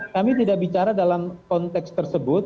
kami tidak bicara dalam konteks tersebut